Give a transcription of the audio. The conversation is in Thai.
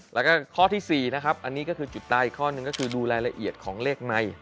แล้วก็ข้อที่๔นะครับอันนี้ก็คือจุดตายอีกข้อหนึ่งก็คือดูรายละเอียดของเลขใน